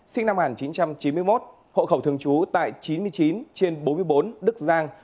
sinh năm một nghìn chín trăm chín mươi một hộ khẩu thường trú tại chín mươi chín trên bốn mươi bốn đức giang